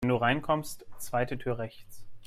Wenn du reinkommst, zweite Tür rechts.